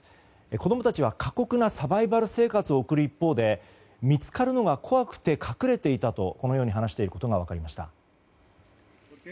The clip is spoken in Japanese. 子供たちは過酷なサバイバル生活を送る一方で見つかるのが怖くて隠れていたとこのように話していることが分かりました。